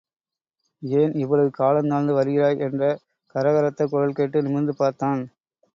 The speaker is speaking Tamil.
ஏன் இவ்வளவு காலந் தாழ்ந்து வருகிறாய்? என்ற கரகரத்த குரல் கேட்டு நிமிர்ந்து பார்த்தான்.